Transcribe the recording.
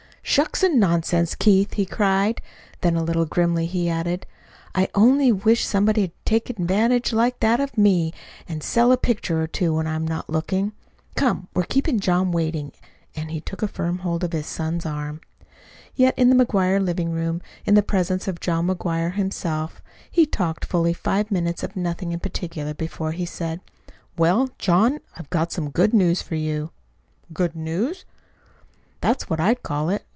"Shucks and nonsense, Keith!" he cried. Then a little grimly he added: "I only wish somebody'd take advantage like that of me, and sell a picture or two when I'm not looking. Come, we're keeping John waiting." And he took firm hold of his son's arm. Yet in the McGuire living room, in the presence of John McGuire himself, he talked fully five minutes of nothing in particular, before he said: "Well, John, I've got some good news for you." "GOOD news?" "That's what I'd call it.